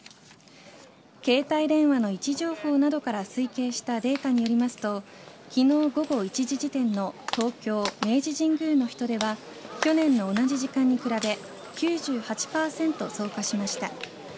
携帯電話の位置情報などから推計したデータによりますと昨日午後１時時点の東京・明治神宮の人出は去年の同じ時間に比べ９８％増加しました。